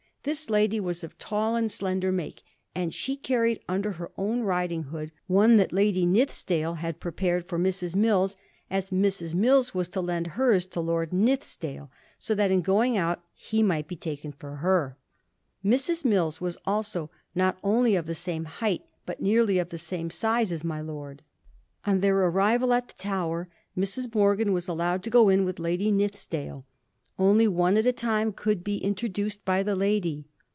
This lady was of tall and slender make, and she carried imder her own riding hood one that Lady Nithisdale had prepared for Mrs. Mills, as Mrs. Mills was to lend hers to Lord Nithisdale, so that in going out he might be taken for her. Mrs. Mills was also 'not only of the same height, but nearly of the same size as my lord.' On. their arrival at the Tower, Mrs. Morgan was allowed to go in with Lady Nithisdale. Only one at a time could be introduced by the lady.